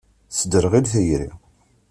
Tesderɣal tayri.